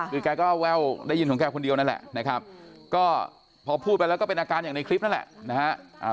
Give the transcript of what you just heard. คือแกก็แว่วได้ยินของแกคนเดียวนั่นแหละนะครับก็พอพูดไปแล้วก็เป็นอาการอย่างในคลิปนั่นแหละนะฮะ